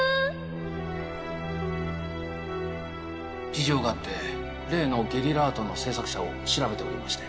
事情があって例のゲリラアートの制作者を調べておりまして。